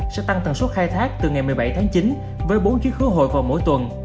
sẽ tăng tần suốt khai thác từ ngày một mươi bảy tháng chín với bốn chiếc hứa hội vào mỗi tuần